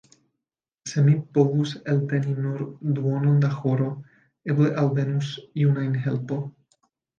Se mi povus elteni nur duonon da horo, eble alvenus iu ajn helpo!